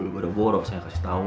bada boro saya kasih tau